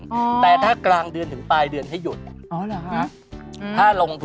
ก็มีระยะแค่ของสำหรัฐ